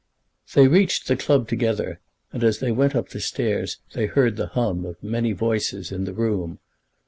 They reached the club together, and as they went up the stairs, they heard the hum of many voices in the room.